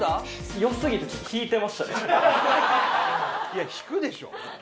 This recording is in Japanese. いや引くでしょ。